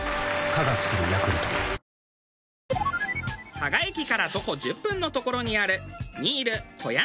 佐賀駅から徒歩１０分の所にある。